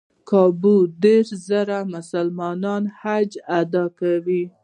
کابو دېرش زره مسلمانان حج ادا کوي.